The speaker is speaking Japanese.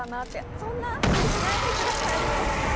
そんなアップにしないでくださいよ。